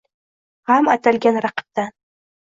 G’am atalgan raqibdan.